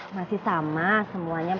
masih sama semuanya empat